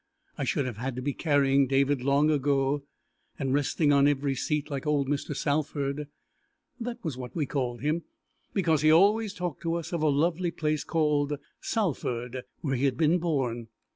I should have had to be carrying David long ago and resting on every seat like old Mr. Salford. That was what we called him, because he always talked to us of a lovely place called Salford where he had been born.